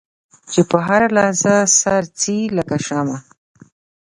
چې په هره لحظه سر ځي لکه شمع.